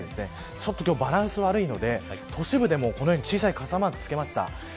ちょっと今日バランスが悪いので都市部でも小さい傘マークをつけました。